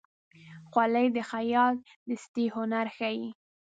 خولۍ د خیاط دستي هنر ښيي.